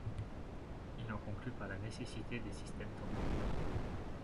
Il en conclut par la nécessité des systèmes tempérés.